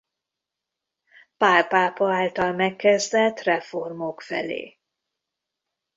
Pál pápa által megkezdett reformok felé.